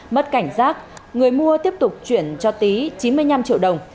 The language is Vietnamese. mất cảnh giác người mua tiếp tục chuyển cho tý chín mươi năm triệu đồng